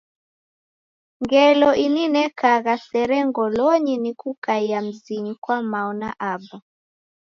Ngelo ininekagha sere ngolonyi ni kukaia mzinyi kwa mao na aba.